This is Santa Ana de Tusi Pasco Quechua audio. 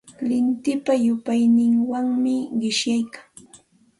Lintipa llupayninwanmi qishyaykan.